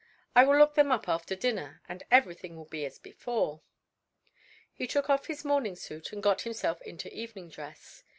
I will look them up after dinner and everything will be as before." He took off his morning suit and got himself into evening dress.